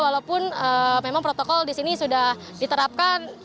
dan memang protokol di sini sudah diterapkan